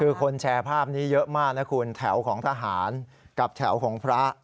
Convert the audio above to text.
คือคนแชร์ภาพนี้เยอะมากนะคุณแถวของทหารกับแถวของพระ